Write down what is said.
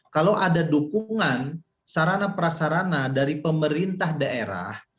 kalau ada dukungan sarana prasarana dari pemerintah daerah